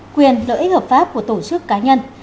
quyền lợi ích hợp pháp của tổ chức cá nhân